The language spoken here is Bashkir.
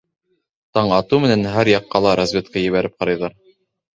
Таң атыу менән һәр яҡҡа ла разведка ебәреп ҡарайҙар.